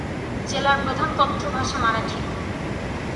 জেলার প্রধান কথ্য ভাষা মারাঠি।